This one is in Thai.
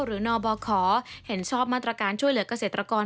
นบขเห็นชอบมาตรการช่วยเหลือกเกษตรกร